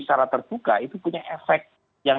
secara terbuka itu punya efek yang